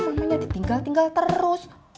mamanya ditinggal tinggal terus